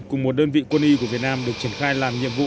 cùng một đơn vị quân y của việt nam được triển khai làm nhiệm vụ